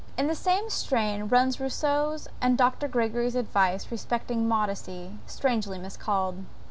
In the same strain runs Rousseau's and Dr. Gregory's advice respecting modesty, strangely miscalled!